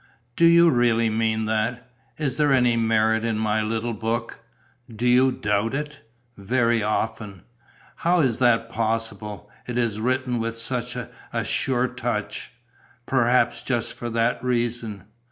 "Do you really mean that? Is there any merit in my little book?" "Do you doubt it?" "Very often." "How is that possible? It is written with such a sure touch." "Perhaps just for that reason."